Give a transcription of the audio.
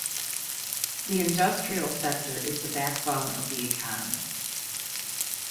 The industrial sector is the backbone of the economy.